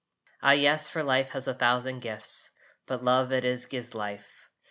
Ah, yes, for life has a thousand gifts, But love it is gives life.